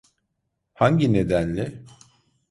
Hangi nedenle?